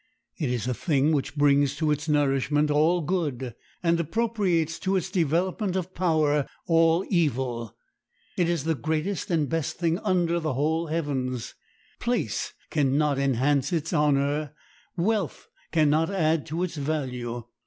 It is a thing which brings to its nourishment all good, and appropriates to its development of power all evil. It is the greatest and best thing under the whole heavens. Place can not enhance its honor; wealth can not add to its value.